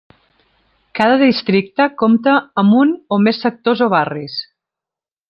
Cada districte compta amb un o més sectors o barris.